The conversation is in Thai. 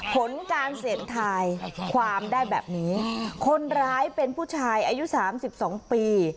ผลการเสพทายความได้แบบนี้คนร้ายเป็นผู้ชายอายุสามสิบสองปี